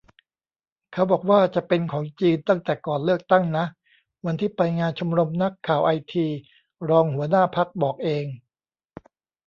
เขาบอกว่าจะเป็นของจีนตั้งแต่ก่อนเลือกตั้งนะ วันที่ไปงานชมรมนักข่าวไอที รองหัวหน้าพรรคบอกเอง